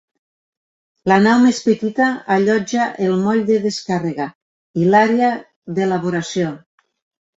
La nau més petita allotja el moll de descàrrega i l’àrea d’elaboració.